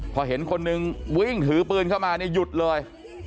พอเห็นคนนึงวิ่งถือปืนเข้ามาเนี่ยหยุดเลย